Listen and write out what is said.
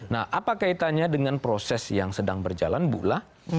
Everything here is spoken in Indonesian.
nah apa kaitannya dengan proses yang sedang berjalan bula